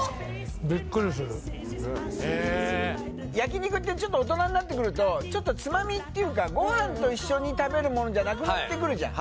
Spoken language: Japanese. ビックリする焼肉ってちょっと大人になってくるとちょっとツマミっていうかご飯と一緒に食べるものじゃなくなってくるじゃん